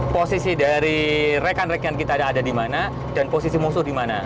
posisi dari rekan rekan kita ada di mana dan posisi musuh di mana